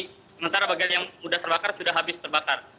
sementara bagian yang sudah terbakar sudah habis terbakar